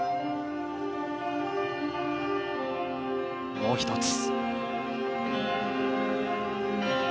もう１つ。